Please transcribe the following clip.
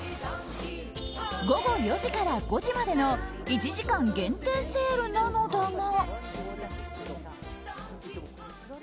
午後４時から５時までの１時間限定セールなのだが。